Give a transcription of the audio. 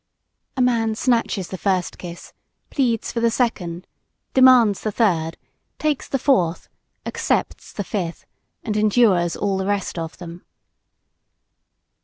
A man snatches the first kiss, pleads for the second, demands the third, takes the fourth, accepts the fifth and endures all the rest of them.